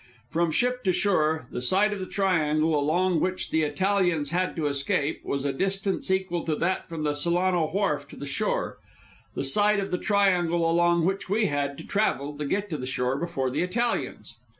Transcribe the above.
From ship to shore, the side of the triangle along which the Italians had to escape, was a distance equal to that from the Solano Wharf to the shore, the side of the triangle along which we had to travel to get to the shore before the Italians.